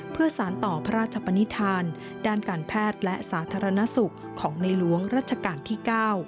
เพื่อสารต่อพระราชปนิษฐานด้านการแพทย์และสาธารณสุขของในหลวงรัชกาลที่๙